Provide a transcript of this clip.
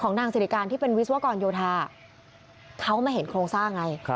นางสิริการที่เป็นวิศวกรโยธาเขามาเห็นโครงสร้างไง